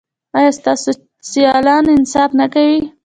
ایا ستاسو سیالان انصاف نه کوي؟